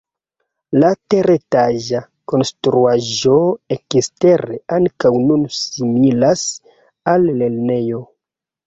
La teretaĝa konstruaĵo ekstere ankaŭ nun similas al lernejo.